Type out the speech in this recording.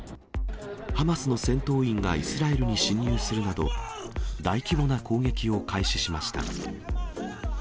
ハマスの戦闘員がイスラエルに侵入するなど、大規模な攻撃を開始しました。